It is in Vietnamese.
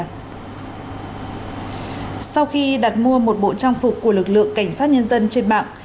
sau khi đặt mua một bộ trang phục của lực lượng cảnh sát nhân dân trên mạng